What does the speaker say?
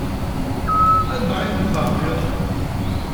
Anda ay ten-teṛjiḍ?